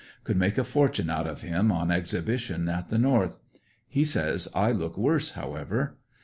Could make a fortune out of him on exhibition at the North. He says I looR worse however.